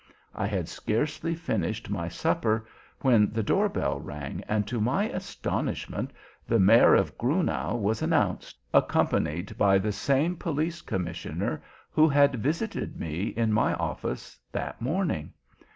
I had scarcely finished my supper, when the door bell rang, and to my astonishment the Mayor of Grunau was announced, accompanied by the same Police Commissioner who had visited me in my office that morning.